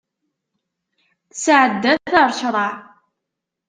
Tesɛedda-t ar ccṛeɛ.